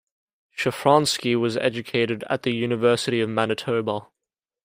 Shafransky was educated at the University of Manitoba.